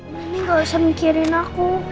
nani nggak usah mikirin aku